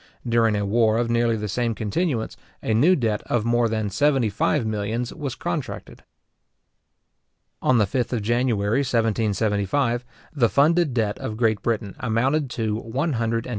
During a war of nearly the same continuance, a new debt of more than seventy five millions was contracted. On the 5th of January 1775, the funded debt of Great Britain amounted to £124,996,086, 1:6¼d.